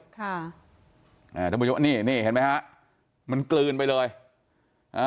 ท่านผู้ชมนี่นี่เห็นไหมฮะมันกลืนไปเลยอ่า